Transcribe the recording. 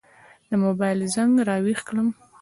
د موبایل زنګ را وېښ کړم.